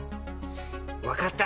わかった。